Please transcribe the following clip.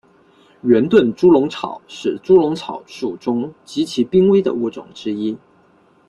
圆盾猪笼草是猪笼草属中极其濒危的物种之一。